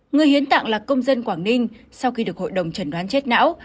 người hiến tạng là công dân quảng ninh sau khi được hội đồng trần đoán chết não